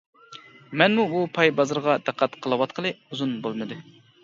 مەنمۇ بۇ پاي بازىرىغا دىققەت قىلىۋاتقىلى ئۇزۇن بولمىدى.